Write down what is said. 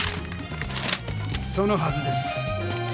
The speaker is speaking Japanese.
そのはずです。